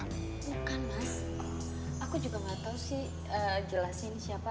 bukan mas aku juga gak tau sih jelasin siapa